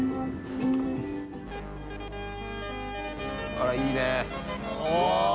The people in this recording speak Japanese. あらいいね。